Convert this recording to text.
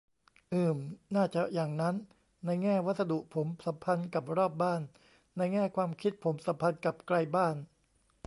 อืม น่าจะอย่างนั้น ในแง่วัสดุผมสัมพันธ์กับรอบบ้าน ในแง่ความคิดผมสัมพันธ์กับไกลบ้าน